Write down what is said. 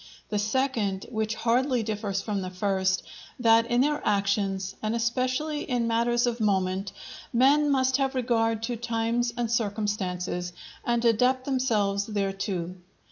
The second, which hardly differs from the first, that in their actions, and especially in matters of moment, men must have regard to times and circumstances and adapt themselves thereto.